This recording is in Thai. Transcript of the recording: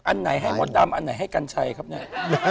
อันไหนให้มดดำอันไหนให้กัญชัยครับเนี่ย